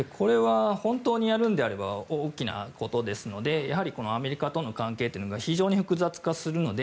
本当にやるのであれば大きなことですのでアメリカとの関係というのが非常に複雑化するので